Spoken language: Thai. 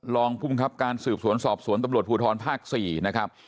รองภูมิครับการสืบสวนสอบสวนตำรวจภูทรภาค๔นะครับ